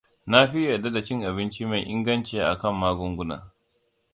Nafi yadda da cin abinci mai inganci akan magunguna.